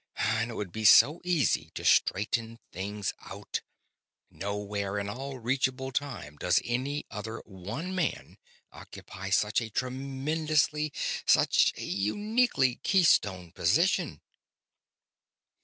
And it would be so easy to straighten things out nowhere in all reachable time does any other one man occupy such a tremendously such a uniquely key stone position!